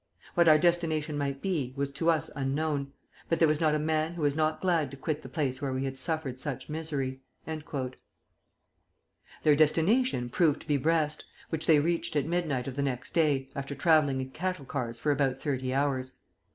What our destination might be, was to us unknown; but there was not a man who was not glad to quit the place where we had suffered such misery." Their destination proved to be Brest, which they reached at midnight of the next day, after travelling in cattle cars for about thirty hours.